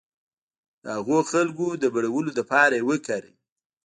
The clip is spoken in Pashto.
د هغو خلکو د مړولو لپاره یې وکاروي.